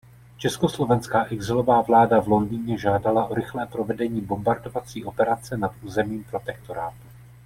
Československá exilová vláda v Londýně žádala o rychlé provedení bombardovací operace nad územím Protektorátu.